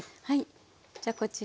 じゃこちら。